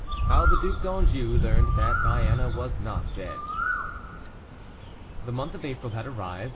HOW THE DUC D'ANJOU LEARNED THAT DIANA WAS NOT DEAD. The month of April had arrived.